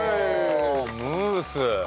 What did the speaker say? ムース！